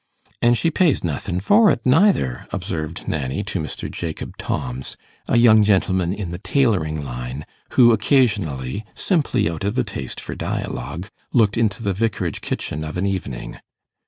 'An' she pays nothin' for't neither,' observed Nanny to Mr. Jacob Tomms, a young gentleman in the tailoring line, who occasionally simply out of a taste for dialogue looked into the vicarage kitchen of an evening.